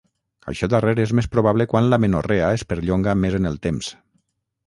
Això darrer és més probable quan l'amenorrea es perllonga més en el temps.